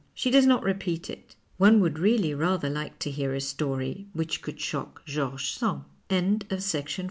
She docs not repeat it. One would really rather like to hear a story which could shock George Sand.